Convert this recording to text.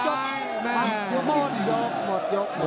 หมดยก